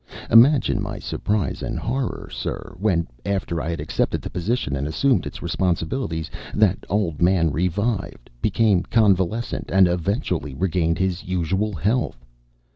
Imagine my surprise and horror, sir, when, after I had accepted the position and assumed its responsibilities, that old man revived, became convalescent, and eventually regained his usual health.